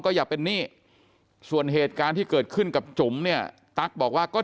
อย่าเป็นหนี้ส่วนเหตุการณ์ที่เกิดขึ้นกับจุ๋มเนี่ยตั๊กบอกว่าก็